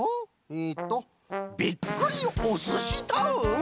えっと「びっくりおすしタウン」？